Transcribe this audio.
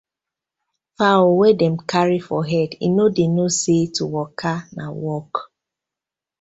Fowl wey dem carry for head no dey know say to waka na work: